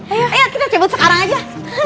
ayo ayo kita cebut sekarang aja